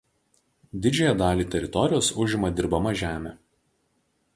Didžiąją dalį teritorijos užima dirbama žemė.